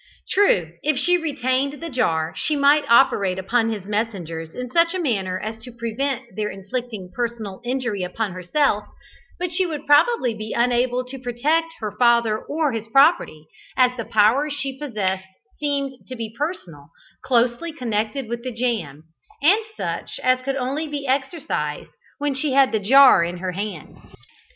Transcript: True if she retained the jar, she might operate upon his messengers in such a manner as to prevent their inflicting personal injury upon herself, but she would probably be unable to protect her father or his property, as the power she possessed seemed to be personal, closely connected with the jam, and such as could only be exercised when she had the jar in her hand.